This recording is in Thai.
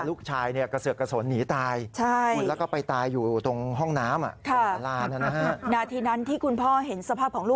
ลูกชายกระเสือกกระสวนหนีตาย